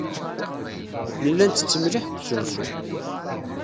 Nella nttett mliḥ deg usensu.